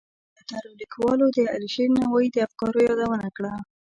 زیاترو لیکوالو د علیشیر نوایی د افکارو یادونه کړه.